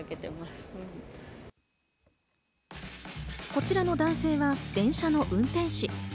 こちらの男性は電車の運転士。